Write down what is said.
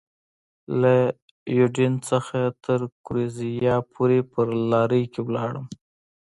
له یوډین نه تر ګورېزیا پورې په لارۍ کې ولاړم.